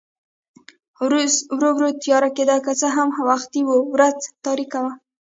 ورو ورو تیاره کېده، که څه هم وختي و، ورځ تاریکه وه.